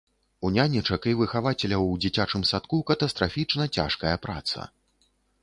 У нянечак і выхавацеляў ў дзіцячым садку катастрафічна цяжкая праца.